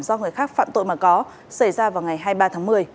do người khác phạm tội mà có xảy ra vào ngày hai mươi ba tháng một mươi